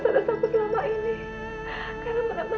jauh jauh banget belum berniat